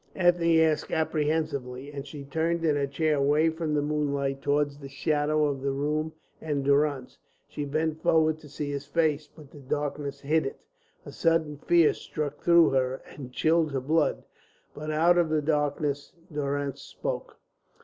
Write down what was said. Ethne asked apprehensively, and she turned in her chair away from the moonlight towards the shadows of the room and Durrance. She bent forward to see his face, but the darkness hid it. A sudden fear struck through her and chilled her blood, but out of the darkness Durrance spoke.